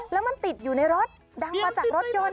แล้วมันติดอยู่ในรถดังมาจากรถยนต์